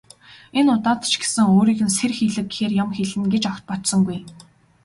Энэ удаа ч гэсэн өөрийг нь сэрхийлгэхээр юм хэлнэ гэж огт бодсонгүй.